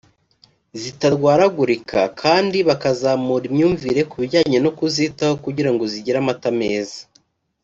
zitarwaragurika kandi bakazamura imyumvire ku bijyanye no kuzitaho kugira ngo zigire amata meza